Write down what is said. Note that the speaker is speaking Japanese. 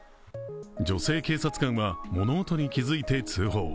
女性警察官は物音に気付いて通報。